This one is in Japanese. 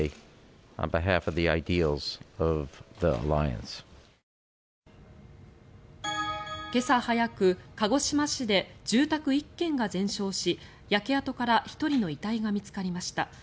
今朝早く鹿児島市で住宅１軒が全焼し焼け跡から１人の遺体が見つかりました。